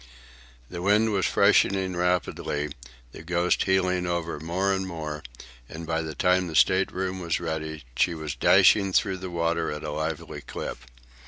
The wind was freshening rapidly, the Ghost heeling over more and more, and by the time the state room was ready she was dashing through the water at a lively clip.